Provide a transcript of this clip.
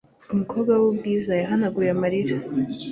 Umukobwa wubwiza yahanaguye amarira